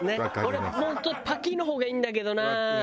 俺本当はパキッの方がいいんだけどな。